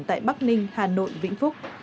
tại bắc ninh hà nội vĩnh phúc